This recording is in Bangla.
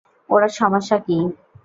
ওর সমস্যা কী?